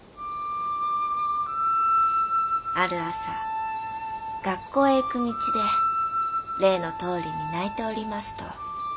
「ある朝学校へ行く道で例のとおりに泣いておりますと」。